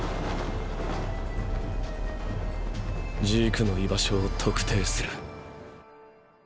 ジークの居場所を特定する。